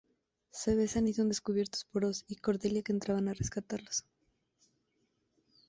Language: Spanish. Se besan y son descubiertos por Oz y Cordelia que entraban a rescatarlos.